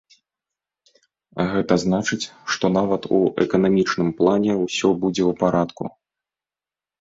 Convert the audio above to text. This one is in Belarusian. Гэта значыць, што нават у эканамічным плане ўсё будзе ў парадку.